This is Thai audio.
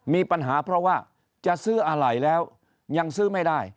มีปัญหาเพราะว่าจะซื้ออะไรแล้วยังซื้อไม่ได้